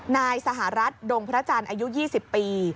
นายสหรัฐดงพระจันทร์อายุ๒๐ปี